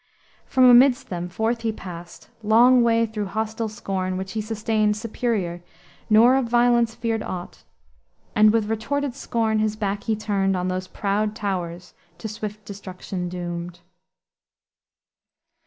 From amidst them forth he passed, Long way through hostile scorn, which he sustained Superior, nor of violence feared aught: And with retorted scorn his back he turned On those proud towers to swift destruction doomed."